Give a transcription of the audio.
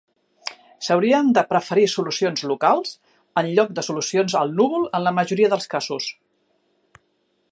S'haurien de preferir solucions locals en lloc de solucions al núvol en la majoria dels casos.